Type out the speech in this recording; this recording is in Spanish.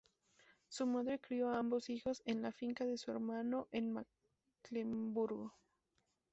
Su madre crio a ambos hijos en la finca de su hermano en Mecklemburgo.